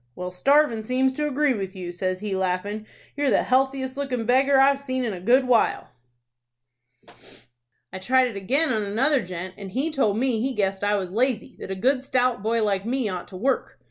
"'Well, starvin' seems to agree with you,' says he, laughin'. 'You're the healthiest lookin' beggar I've seen in a good while.' "I tried it again on another gent, and he told me he guessed I was lazy; that a good stout boy like me ought to work.